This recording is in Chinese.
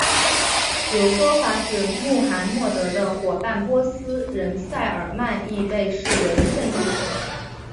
有说法指穆罕默德的伙伴波斯人塞尔曼亦被视为圣裔。